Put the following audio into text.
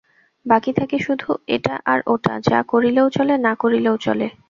বাকি থাকে শুধু এটা আর ওটা, যা করিলেও চলে, না করিলেও চলে।